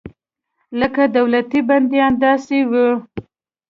لکه دولتي بندیان داسې وو.